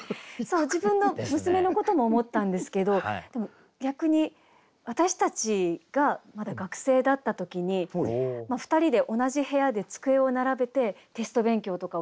自分の娘のことも思ったんですけど逆に私たちがまだ学生だった時に２人で同じ部屋で机を並べてテスト勉強とかをしてたんですけど。